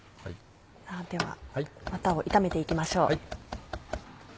ではワタを炒めていきましょう。